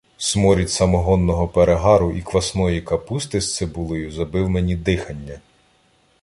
Сморід самогонного перегару і квасної капусти з цибулею забив мені дихання.